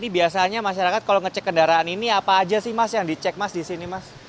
biasanya masyarakat kalau ngecek kendaraan ini apa aja sih mas yang dicek mas di sini mas